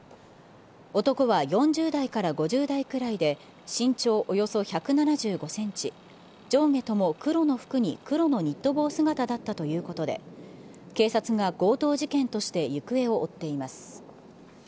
男は４０代から５０代くらいで、身長およそ１７５センチ、上下とも黒の服に黒のニット帽姿だったということで、警察が強盗事件として行方を追っています。